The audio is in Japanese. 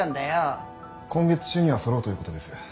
今月中にはそろうということです。